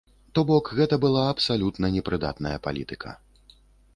То бок гэта была абсалютна непрыдатная палітыка.